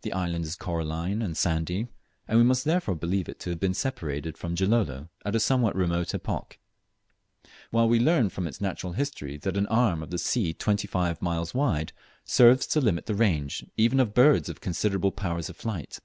The island is coralline and sandy, and we must therefore believe it to have been separated from Gilolo at a somewhat remote epoch; while we learn from its natural history that an arm of the sea twenty five miles wide serves to limit the range even of birds of considerable powers of flight.